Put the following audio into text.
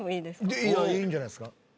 いやいいんじゃないですか？